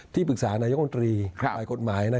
ที่ปรึกษานายกรณ์ตรีกกฎหมาย